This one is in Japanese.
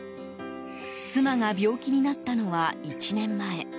妻が病気になったのは１年前。